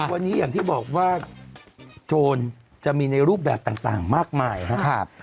วันนี้อย่างที่บอกว่าโจรจะมีในรูปแบบต่างมากมายครับ